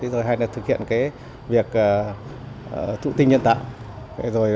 rồi hai lần thực hiện việc thụ tinh nhân tạo